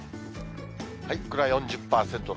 これは４０％台。